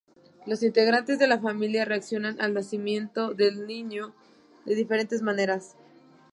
Los integrantes de la familia reaccionan al nacimiento del niño de diferentes maneras.